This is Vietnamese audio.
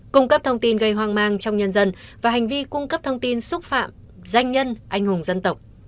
cung cấp thông tin gây hoang mang trong nhân dân và hành vi cung cấp thông tin xúc phạm danh nhân anh hùng dân tộc